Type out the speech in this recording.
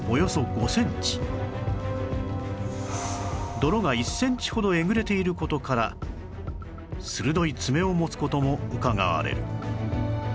泥が１センチほどえぐれている事から鋭い爪を持つ事もうかがわれる